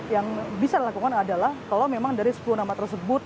yang bisa dilakukan adalah kalau memang dari sepuluh nama tersebut